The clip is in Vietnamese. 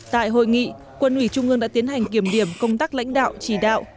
tại hội nghị quân ủy trung ương đã tiến hành kiểm điểm công tác lãnh đạo chỉ đạo